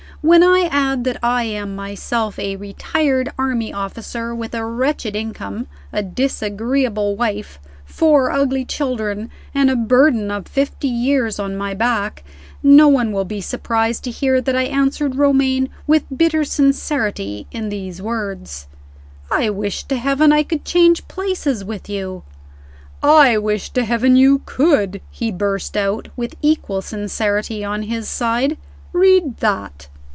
When I add that I am, myself, a retired army officer, with a wretched income, a disagreeable wife, four ugly children, and a burden of fifty years on my back, no one will be surprised to hear that I answered Romayne, with bitter sincerity, in these words: "I wish to heaven I could change places with you!" "I wish to heaven you could!" he burst out, with equal sincerity on his side. "Read that."